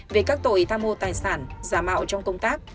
về các tội tham mô tài sản giả mạo trong công tác